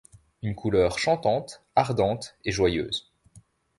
Une couleur chantante, ardente, et joyeuse.